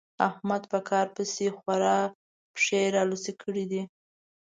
احمد په کار پسې خورا پښې رالوڅې کړې دي.